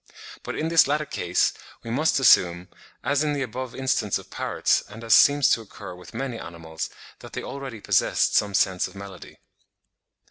But in this latter case we must assume, as in the above instance of parrots, and as seems to occur with many animals, that they already possessed some sense of melody.